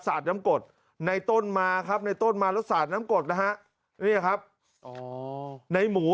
น้ำกดในต้นมาครับในต้นมาแล้วสาดน้ำกดนะฮะเนี่ยครับอ๋อในหมู